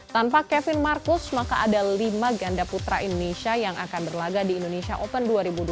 tanpa kevin marcus maka ada lima ganda putra indonesia yang akan berlaga di indonesia open dua ribu dua puluh tiga